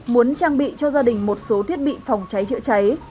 muốn trang bị cho gia đình một số thiết bị phòng trái trợ trái